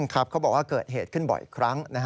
เขาบอกว่าเกิดเหตุขึ้นบ่อยครั้ง